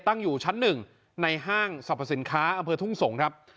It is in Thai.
ตั้งอยู่ชั้นหนึ่งในห้างสรรพสินค้าอำเภอทุ่งสงศ์ครับ